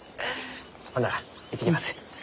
ほんなら行ってきます。